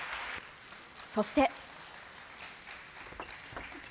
そして。